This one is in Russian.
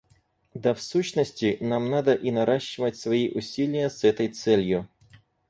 Да в сущности, нам надо и наращивать свои усилия с этой целью.